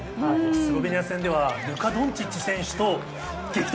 スロベニア戦ではルカ・ドンチッチ選手と激突。